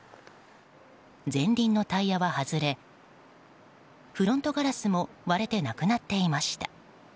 前輪のタイヤは外れフロントガラスも割れてなくなっていました。